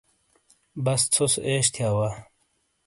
بس ژو سے عیش تھیا وا ۔